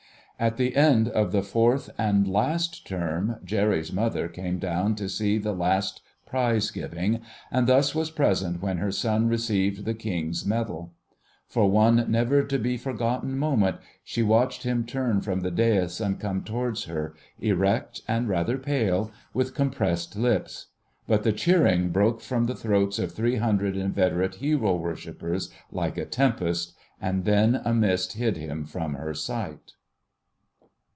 At the end of the fourth and last term Jerry's mother came down to see the last prize giving, and thus was present when her son received the King's Medal. For one never to be forgotten moment she watched him turn from the dais and come towards her, erect and rather pale, with compressed lips. But the cheering broke from the throats of three hundred inveterate hero worshippers like a tempest, and then a mist hid him from her sight.